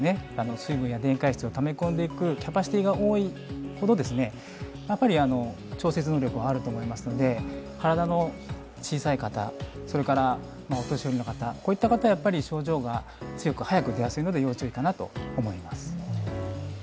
水分や電解質をため込んでいくキャパシティが多いほど、調節能力があると思うので、体の小さい方、それからお年寄りの方は症状が強く、早く出やすいので要注意かなと思います。